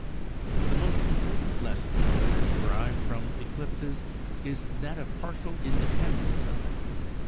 The most important lesson, however, derived from eclipses is that of partial independence of them.